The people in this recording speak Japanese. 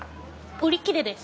売り切れです。